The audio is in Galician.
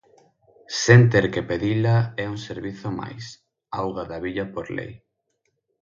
Sen ter que pedila é un servizo máis, auga da billa por lei.